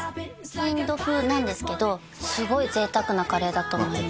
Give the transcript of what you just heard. インド風なんですけどすごい贅沢なカレーだと思います